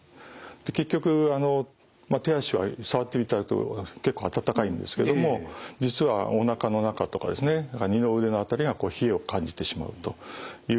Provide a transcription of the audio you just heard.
結局手足は触ってみると結構温かいんですけども実はおなかの中とかですね二の腕の辺りが冷えを感じてしまうという。